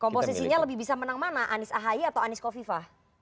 komposisinya lebih bisa menang mana anies ahy atau anies kofifa